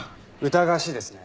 疑わしいですね。